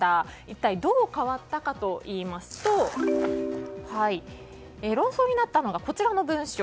一体どう変わったかといいますと論争になったのがこちらの文章。